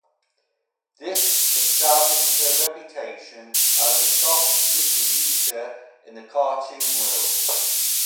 This established her reputation as the top distributor in the cartoon world.